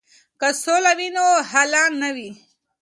که سوله وي نو هاله نه وي.